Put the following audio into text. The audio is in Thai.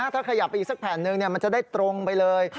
ถ้าขยับไปอีกสักแผ่นหนึ่งมันจะได้ตรงไปเลย